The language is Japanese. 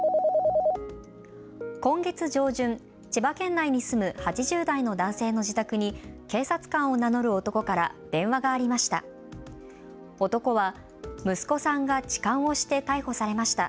今月上旬、千葉県内に住む８０代の男性の自宅に警察官を名乗る男から電話がありました。